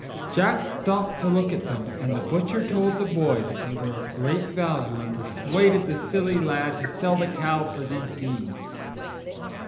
Jack stopped to look at them, and the butcher told the boy that they were of great value, and persuaded the silly lad to sell the cow for these beans.